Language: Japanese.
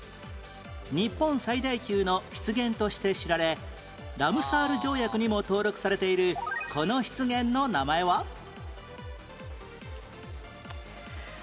日本最大級の湿原として知られラムサール条約にも登録されているこの湿原の名前は？はあ。